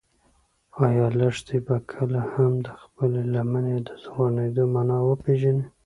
ایا لښتې به کله هم د خپلې لمنې د زرغونېدو مانا وپېژني؟